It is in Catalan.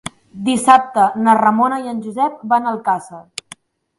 Dissabte na Ramona i en Josep van a Alcàsser.